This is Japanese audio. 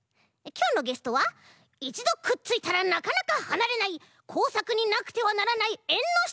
きょうのゲストはいちどくっついたらなかなかはなれないこうさくになくてはならないえんのしたのちからもち！